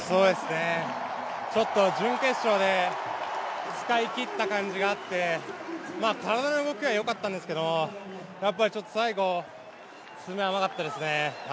ちょっと準決勝で使い切った感じがあって体の動きはよかったんですけどやっぱり最後詰めが甘かったですね。